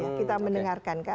asik kita mendengarkan